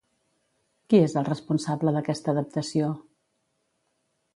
Qui és el responsable d'aquesta adaptació?